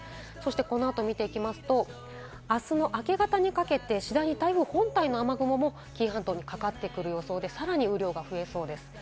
この後を見ていきますと、あすの明け方にかけて次第に台風本体の雨雲も紀伊半島にかかってくる予想で、さらに雨量が増えそうです。